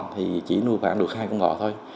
thì chỉ nuôi phản được hai con bò thôi